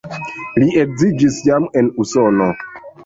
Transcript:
Li edziĝis jam en Usono.